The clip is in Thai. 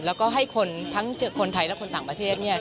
แล้วก็ให้คนทั้งคนไทยและคนต่างประเทศเนี่ย